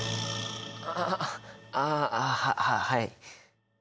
ああああはい。